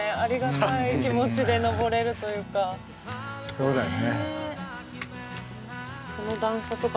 そうだよね。